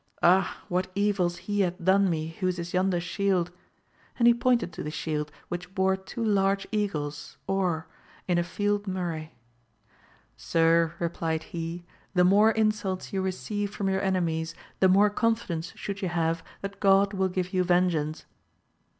Ah, what evils he hath done me whose is yonder shield, and he pointed to the shield which bore two large eagles or, in a field murrey. Sir, replied he, the more insults you receive from your enemies the more confidence should you have that God will give you vengeance.